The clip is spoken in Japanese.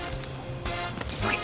急げ！